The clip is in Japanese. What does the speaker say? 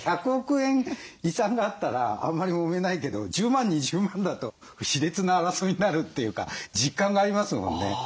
１００億円遺産があったらあんまりもめないけど１０万２０万だと熾烈な争いになるというか実感がありますもんね。